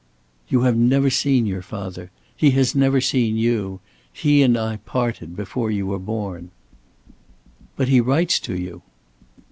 "You have never seen your father. He has never seen you. He and I parted before you were born." "But he writes to you."